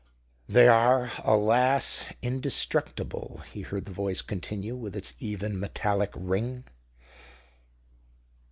"They are, alas, indestructible," he heard the voice continue, with its even, metallic ring.